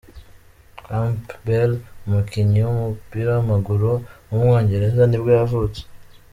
Campbell, umukinnyi w’umupira w’amaguru w’umwongereza nibwo yavutse.